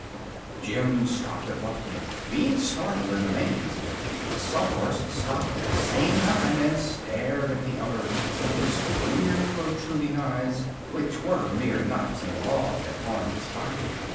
Jim stopped abruptly, being startled and amazed. The Sawhorse stopped at the same time and stared at the other with its queer protruding eyes, which were mere knots in the log that formed its body.